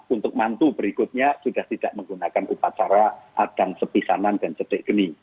untuk mantu berikutnya sudah tidak menggunakan upacara adang sepisanan dan cedek geni